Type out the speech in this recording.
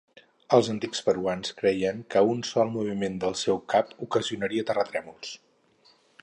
Els antics peruans creien que un sol moviment del seu cap ocasionaria terratrèmols.